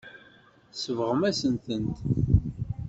Tsebɣem-asen-tent.